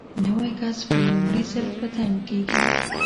نوی کس په لومړي ځل په تنګ کېږي.